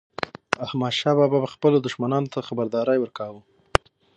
احمدشاه بابا به خپلو دښمنانو ته خبرداری ورکاوه.